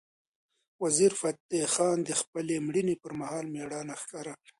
وزیرفتح خان د خپلې مړینې پر مهال مېړانه ښکاره کړه.